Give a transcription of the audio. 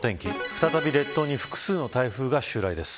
再び列島に複数の台風が襲来です。